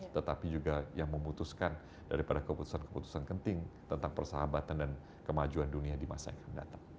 tetapi juga yang memutuskan daripada keputusan keputusan penting tentang persahabatan dan kemajuan dunia di masa yang akan datang